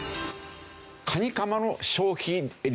カニカマの消費量。